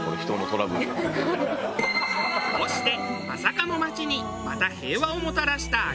こうして朝霞の街にまた平和をもたらした秋山。